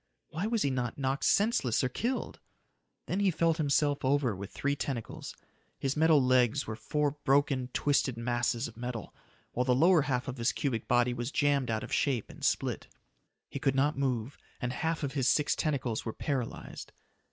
Why was he not knocked senseless or killed? Then he felt himself over with three tentacles. His metal legs were four broken, twisted masses of metal, while the lower half of his cubic body was jammed out of shape and split. He could not move, and half of his six tentacles were paralyzed.